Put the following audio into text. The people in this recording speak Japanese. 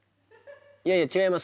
いやいや違います。